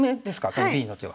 このＢの手は。